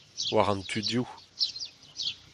war an tu dehoù